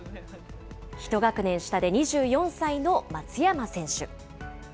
１学年下で２４歳の松山選手。